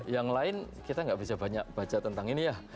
yang lain kita nggak bisa banyak baca tentang ini ya